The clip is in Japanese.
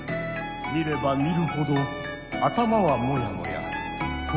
見れば見るほど頭はモヤモヤ心もモヤモヤ。